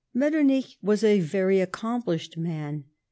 Metternich was a very accomplished man.